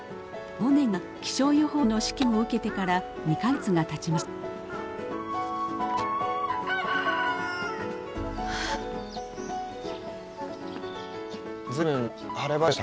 モネが気象予報士の試験を受けてから２か月がたちました。